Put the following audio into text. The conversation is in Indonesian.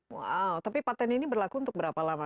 wow tapi patent ini berlaku untuk berapa lama